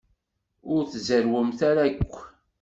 Ur tzerrwem ara akk?